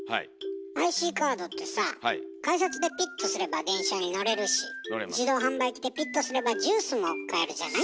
ＩＣカードってさ改札でピッとすれば電車に乗れるし自動販売機でピッとすればジュースも買えるじゃない？